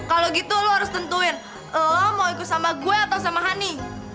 kalau gitu lo harus tentuin lo mau ikut sama gue atau sama honey